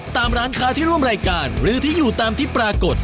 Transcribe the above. ตามร้านค้าที่ร่วมรายการหรือที่อยู่ตามที่ปรากฏ